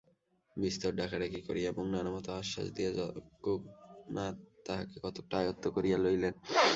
বিস্তর ডাকাডাকি করিয়া এবং নানামত আশ্বাস দিয়া যজ্ঞনাথ তাহাকে কতকটা আয়ত্ত করিয়া লইলেন।